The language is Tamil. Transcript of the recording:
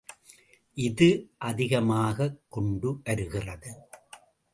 இது அதிகமாகிக்கொண்டு வருகிறது.